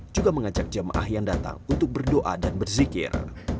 juga mengajak jamaah yang datang untuk berdoa dan berzikir